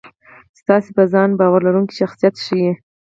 ستاسې په ځان باور لرونکی شخصیت ښي.